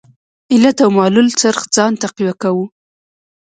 علت او معلول څرخ ځان تقویه کاوه.